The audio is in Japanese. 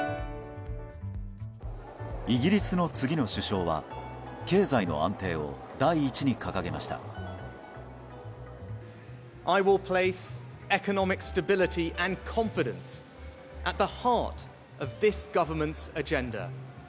イギリスの次の首相は経済の安定を第一に掲げました。